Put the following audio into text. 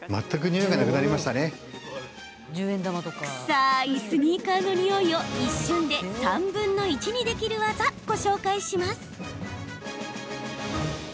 臭いスニーカーのにおいを一瞬で３分の１にできる技ご紹介します。